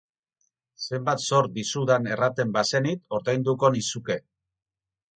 Zenbat zor dizudan erraten bazenit ordainduko nizuke.